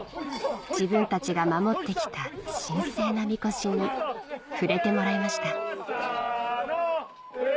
自分たちが守ってきた神聖な神輿に触れてもらいました・アハハハ重い！